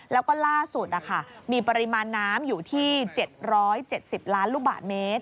แล้วก็ล่าสุดมีปริมาณน้ำอยู่ที่๗๗๐ล้านลูกบาทเมตร